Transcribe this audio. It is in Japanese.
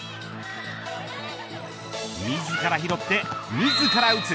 自ら拾って自ら打つ。